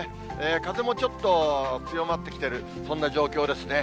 風もちょっと強まってきてる、そんな状況ですね。